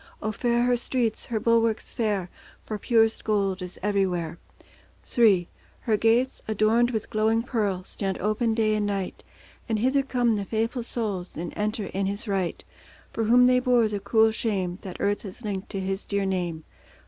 O fair her streets, her bulwarks fair, For purest gold is everywhere. III Her gates, adorned with glowing pearl, Stand open day and night, And hither come the faithful souls, And enter in His right, For whom they bore the cruel shame, That earth has linked to His dear name.